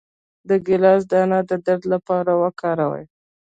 د ګیلاس دانه د درد لپاره وکاروئ